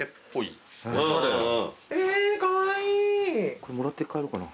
これもらって帰ろうかな。